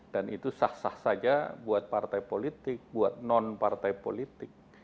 dan itu sah saja buat partai politik buat non partai politik